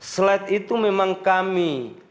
slide itu memang kami